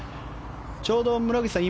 ちょうど村口さん